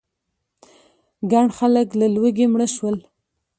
ګڼ خلک له لوږې مړه شول.